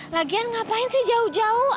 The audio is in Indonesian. lagian ngapain sih jauh jauh